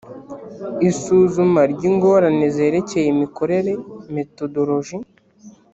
isuzuma ry ingorane zerekeye imikorere methodology